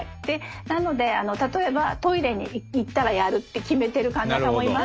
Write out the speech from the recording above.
なので例えばトイレに行ったらやるって決めてる患者さんもいますし。